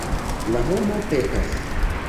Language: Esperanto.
La homo pekas.